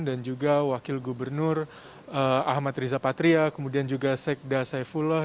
dan juga wakil gubernur ahmad riza patria kemudian juga sekda saifullah